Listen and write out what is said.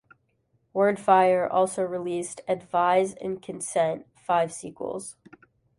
WordFire also released "Advise and Consent" five sequels.